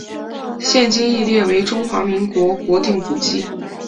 现今亦列为中华民国国定古迹。